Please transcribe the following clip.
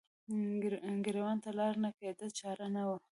ګریوان ته لار نه کیده چار نه وه